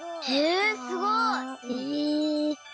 えすごい！